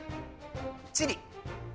チリ。